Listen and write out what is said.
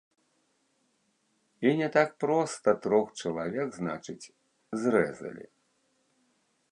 І не так проста трох чалавек, значыць, зрэзалі.